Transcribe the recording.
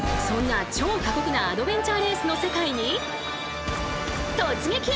そんな超過酷なアドベンチャーレースの世界に突撃！